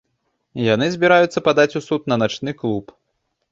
Яны збіраюцца падаць у суд на начны клуб.